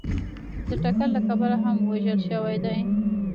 د ټکر له کبله هم وژل شوي دي